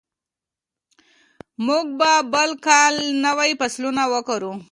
موږ به بل کال نوي فصلونه وکرو.